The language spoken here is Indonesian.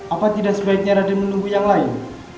apa tidak sebaiknya raden menunggu yang lain